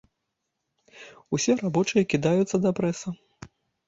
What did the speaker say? Усе рабочыя кідаюцца да прэса.